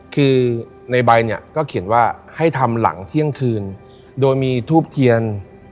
คือในใบเนี่ยก็เขียนว่าให้ทำหลังเที่ยงคืนโดยมีทูบเทียน